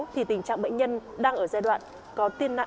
thì tình trạng bệnh nhân đang ở giai đoạn